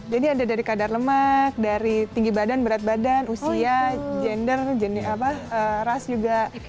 jadi ada dari kadar lemak dari tinggi badan berat badan usia gender ras juga